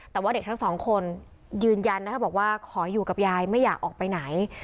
แต่ว่าเด็กทั้งสองคนยืนยันนะคะบอกว่าขออยู่กับยายไม่อยากออกไปไหน